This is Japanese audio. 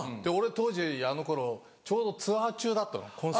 俺当時あの頃ちょうどツアー中だったの。